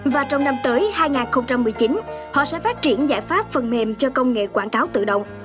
và trong năm tới hai nghìn một mươi chín họ sẽ phát triển giải pháp phần mềm cho công nghệ quảng cáo tự động